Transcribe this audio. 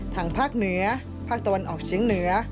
ทางภาคเหนือภาคตะวันออกเฉียงเหนือ